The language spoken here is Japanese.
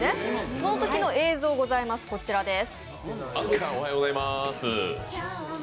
そのときの映像ございます、こちらです。